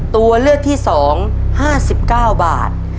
ตัวเลือกที่๒๕๙บาท